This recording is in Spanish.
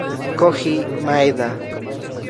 Kōji Maeda